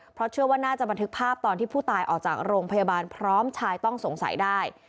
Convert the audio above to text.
เพราะเชื่อว่าน่าจะบันทึกภาพตอนที่ผู้ตายออกจากโรงพยาบาลพร้อมชายต้องสงสัยได้